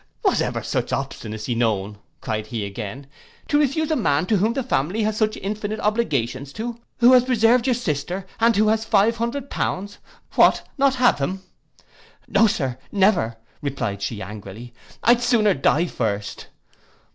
'—'Was ever such obstinacy known,' cried he again, 'to refuse a man whom the family has such infinite obligations to, who has preserved your sister, and who has five hundred pounds! What not have him!'—'No, Sir, never,' replied she, angrily, 'I'd sooner die first.